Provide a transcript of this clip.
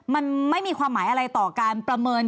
มันไม่มีความหมายอะไรต่อการประเมิน